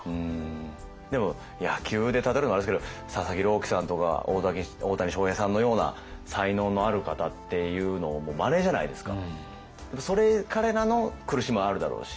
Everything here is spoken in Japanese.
でも野球で例えるのもあれですけど佐々木朗希さんとか大谷翔平さんのような才能のある方っていうのはもうまれじゃないですか。